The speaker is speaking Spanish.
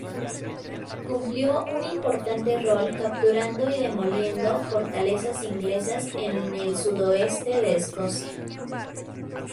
Cumplió un importante rol capturando y demoliendo fortalezas inglesas en el sudoeste de Escocia.